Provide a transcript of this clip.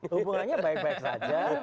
hubungannya baik baik saja